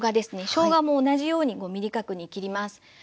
しょうがも同じように５ｍｍ角に切ります。